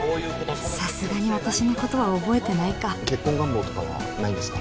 さすがに私のことは覚えてないか結婚願望とかはないんですか？